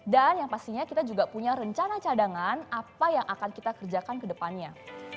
dan yang pastinya kita juga punya rencana cadangan apa yang akan kita kerjakan kedepannya